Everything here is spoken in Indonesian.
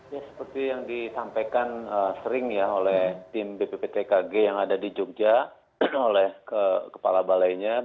ya seperti yang disampaikan sering ya oleh tim bpptkg yang ada di jogja oleh kepala balainya